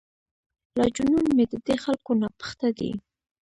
لا جنون مې ددې خلکو ناپخته دی.